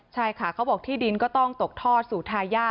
ใช่ค่ะเขาบอกที่ดินก็ต้องตกท่อสู่ทายาท